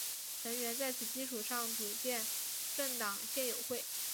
成员在此基础上组建政党宪友会。